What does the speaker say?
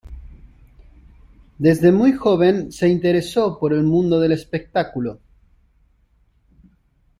Desde muy joven se interesó por el mundo del espectáculo.